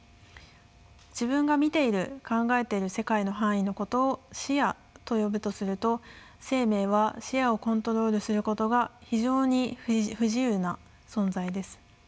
自分が見ている考えている世界の範囲のことを視野と呼ぶとすると生命は視野をコントロールすることが非常に不自由な存在です。